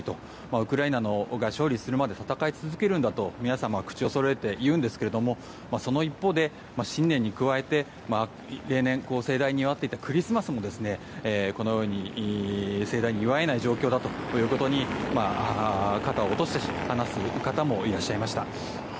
ウクライナが勝利するまで戦い続けるんだと皆様、口をそろえて言うんですけどもその一方で新年に加えて例年、盛大に祝っていたクリスマスも、このように盛大に祝えない状況ということに肩を落として話す方もいらっしゃいました。